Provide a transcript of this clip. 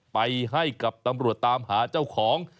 ไปให้กับตำรวจตามหาเจ้าของ